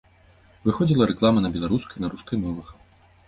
Выходзіла рэклама на беларускай і на рускай мовах.